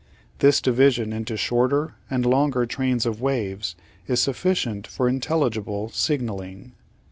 This division into shorter and longer trains of waves is sufficient for intelligible signalling.